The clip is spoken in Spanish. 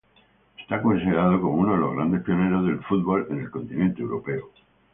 Es considerado como uno de los grandes pioneros del fútbol en el continente europeo.